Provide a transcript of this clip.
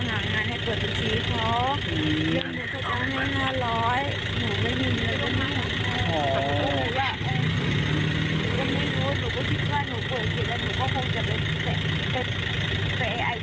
สาวานว่านี่คือคนคืออำมารหิตหดเหี้ยมเหลือเกิน